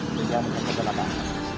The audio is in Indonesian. jadi dia terpelantik ke jalan